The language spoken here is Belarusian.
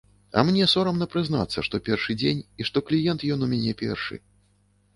А мне сорамна прызнацца, што першы дзень, і што кліент ён у мяне першы.